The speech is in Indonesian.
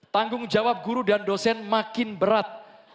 tanggung jawab guru dan dosen makin berat